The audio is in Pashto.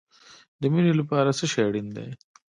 د مینې لپاره څه شی اړین دی؟